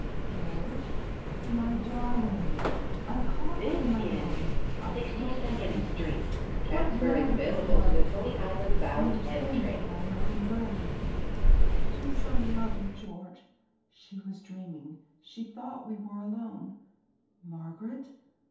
"George!" "My darling!" I caught her in my arms. I held her to my breast. What mattered it if there were others there? We were standing by an open grave! "I do so love you, George!" She was dreaming. She thought we were alone. "Margaret!"